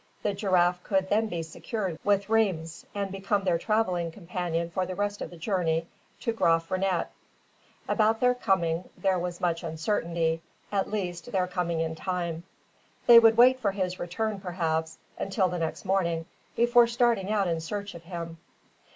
The giraffe could then be secured with rheims and become their travelling companion for the rest of the journey to Graaf Reinet. About their coming there was much uncertainty, at least, their coming in time. They would wait for his return perhaps, until the next morning, before starting out in search of him.